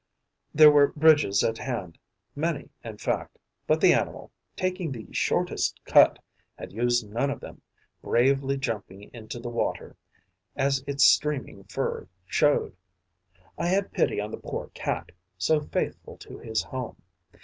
There were bridges at hand, many, in fact; but the animal, taking the shortest cut, had used none of them, bravely jumping into the water, as its streaming fur showed. I had pity on the poor Cat, so faithful to his home.